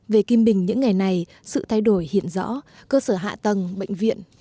về kim bình những ngày này sự thay đổi hiện rõ cơ sở hạ tầng bệnh viện